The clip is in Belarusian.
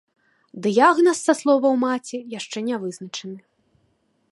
Дыягназ, са словаў маці, яшчэ не вызначаны.